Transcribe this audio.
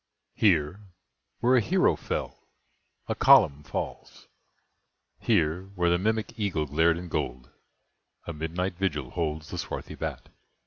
Here, where a hero fell, a column falls! Here, where the mimic eagle glared in gold, A midnight vigil holds the swarthy bat!